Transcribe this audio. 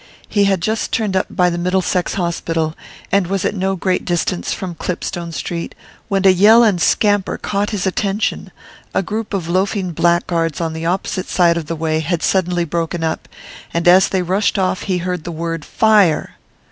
He had just turned up by the Middlesex Hospital, and was at no great distance from Clipstone Street, when a yell and scamper caught his attention; a group of loafing blackguards on the opposite side of the way had suddenly broken up, and as they rushed off he heard the word 'Fire!